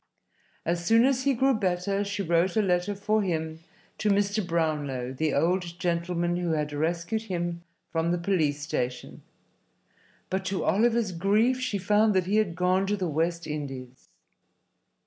As soon as he grew better she wrote a letter for him to Mr. Brownlow, the old gentleman who had rescued him from the police station, but to Oliver's grief she found that he had gone to the West Indies.